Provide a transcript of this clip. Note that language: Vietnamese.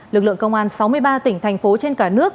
lực lượng công an sáu mươi ba tỉnh thành phố trên cả nước